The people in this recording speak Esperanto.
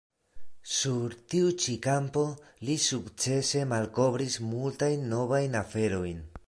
Sur tiu ĉi kampo li sukcese malkovris multajn novajn aferojn.